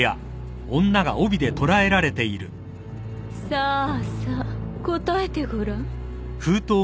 ・さあさ答えてごらん。